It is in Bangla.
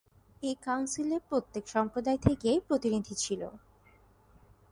এই কাউন্সিলে প্রত্যেক সম্প্রদায় থেকে প্রতিনিধি ছিল।